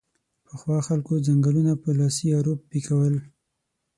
پخوا خلکو ځنګلونه په لاسي ارو پیکول